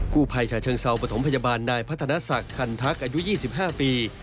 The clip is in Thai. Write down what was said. ผู้ภัยชาเชิงเซาปฐมพยาบาลนายพัฒนาศักดิ์คันทักอายุ๒๕ปี